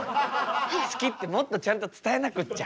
好きってもっとちゃんと伝えなくっちゃ。